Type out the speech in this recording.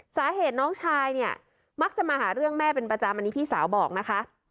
สาเหตุน้องชายเนี่ยมักจะมาหาเรื่องแม่เป็นประจำอันนี้พี่สาวบอกนะคะ